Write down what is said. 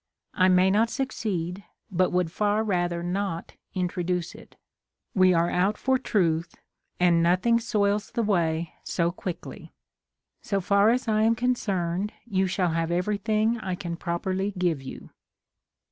I may not succeed, but would far rather not introduce it. We are out for Truth, and nothing soils the way so quickly. So far as I am concerned you shall have everything I can properly give you.